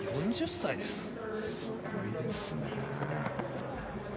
４０歳です。